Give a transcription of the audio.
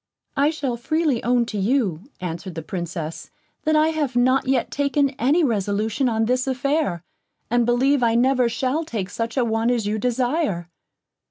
"I shall freely own to you," answered the Princess, "that I have not yet taken any resolution on this affair, and believe I never shall take such a one as you desire."